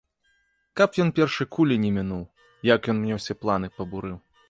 Каб ён першай кулі не мінуў, як ён мне ўсе планы пабурыў.